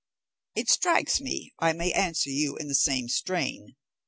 "It strikes me, I may answer you in the same strain.